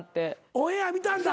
オンエア見たんだ。